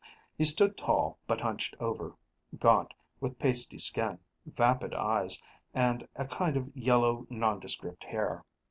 He stood tall but hunched over; gaunt, with pasty skin, vapid eyes, and a kind of yellow nondescript hair.